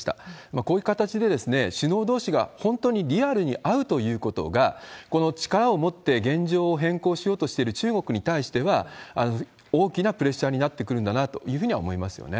こういう形で首脳どうしが本当にリアルに会うということが、この力を持って現状を変更しようとしている中国に対しては、大きなプレッシャーになってくるんだろうなというふうには思いますよね。